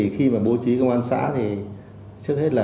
khi mà bố trí công an xã thì trước hết là